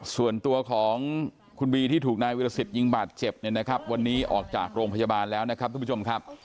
ส่วนตัวของคุณบีที่ถูกนายวิรสิตยิงบาดเจ็บเนี่ยนะครับวันนี้ออกจากโรงพยาบาลแล้วนะครับทุกผู้ชมครับ